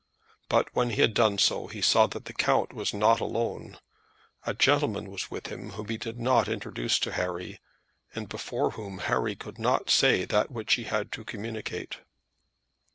But when he had done so, he saw that the count was not alone. A gentleman was with him, whom he did not introduce to Harry, and before whom Harry could not say that which he had to communicate.